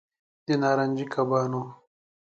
د نارنجي کبانو